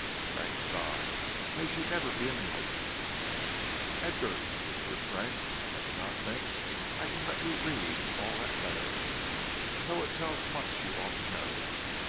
"Thank God! May she never be enlightened." "Edgar," whispered Frank, "I do not think I can let you read all that letter, though it tells much you ought to know.